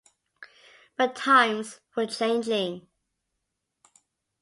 But times were changing.